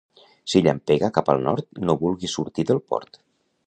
Si llampega cap al nord no vulguis sortir del port.